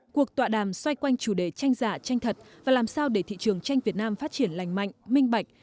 cuộc tọa đàm xoay quanh chủ đề tranh giả tranh thật và làm sao để thị trường tranh việt nam phát triển lành mạnh minh bạch